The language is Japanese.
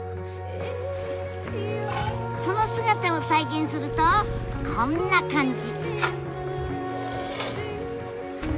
その姿を再現するとこんな感じ。